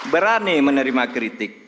berani menerima kritik